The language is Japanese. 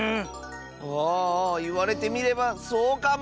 ああああいわれてみればそうかも！